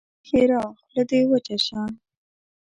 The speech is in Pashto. ښېرا: خوله دې وچه شه!